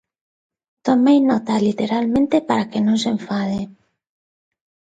Tomei nota literalmente para que non se enfade.